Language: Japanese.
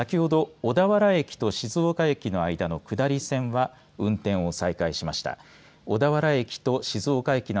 小田原駅と静岡駅の間の下り線は運転を再開しました。